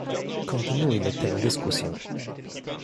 Kontynuujmy tę dyskusję